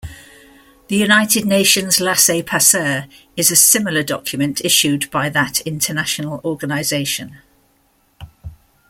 The United Nations laissez-passer is a similar document issued by that international organization.